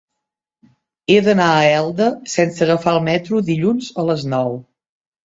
He d'anar a Elda sense agafar el metro dilluns a les nou.